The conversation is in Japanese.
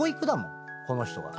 この人が。